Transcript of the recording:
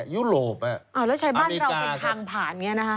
ยุโรปอเมริกาอ๋อแล้วใช้บ้านเราเป็นทางผ่านอย่างนี้นะครับ